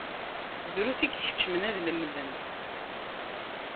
Drus i ikeččmen ad lemden.